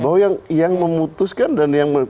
bahwa yang memutuskan dan yang